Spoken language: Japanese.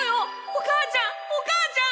お母ちゃんお母ちゃん！